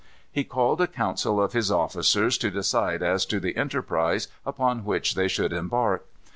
He called a council of his officers to decide as to the enterprise upon which they should embark.